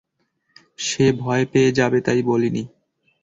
সে ভয় পেয়ে যাবে তাই বলিনি।